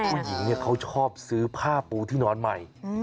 ผู้หญิงเขาชอบซื้อผ้าปูที่นอนใหม่